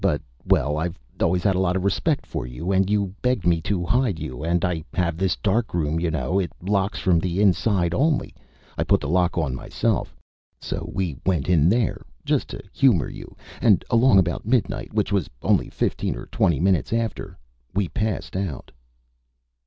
But well, I've always had a lot of respect for you. And you begged me to hide you and I have this darkroom, you know. It locks from the inside only. I put the lock on myself. So we went in there just to humor you and along about midnight, which was only fifteen or twenty minutes after, we passed out."